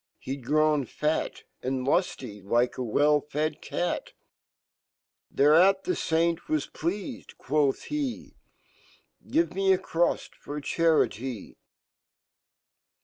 He^d grown fat And lufly, likeawell fed cat ^Thereat fhe5aintwaj pleafedjquofhhe, Give me a crufl ,for Charity